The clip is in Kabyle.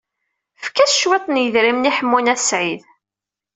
Efk-as cwiṭ n yidrimen i Ḥemmu n At Sɛid.